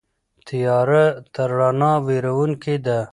تیاره تر رڼا وېروونکې ده.